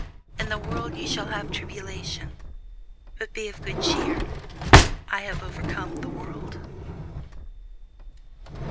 In the world ye shall have tribulation: but be of good cheer; I have overcome the world.